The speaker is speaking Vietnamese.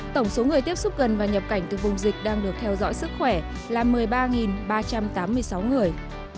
tổng số người tiếp xúc gần và nhập cảnh từ vùng dịch đang được theo dõi sức khỏe là một mươi ba ba trăm tám mươi sáu người